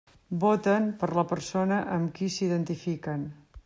Voten per la persona amb qui s'identifiquen.